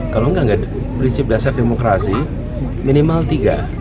kalau enggak prinsip dasar demokrasi minimal tiga